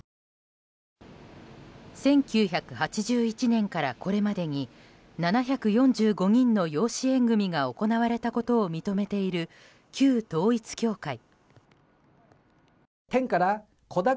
１９８１年からこれまでに７４５人の養子縁組が行われたことを認めている旧統一教会。